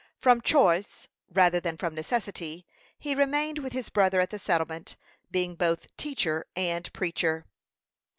From choice rather than from necessity, he remained with his brother at the settlement, being both teacher and preacher.